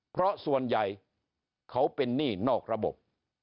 เพราะส่วนใหญ่เขาเป็นหนี้นอกระบบ